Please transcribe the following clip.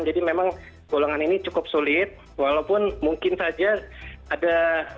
jadi memang golongan ini cukup sulit walaupun mungkin saja ada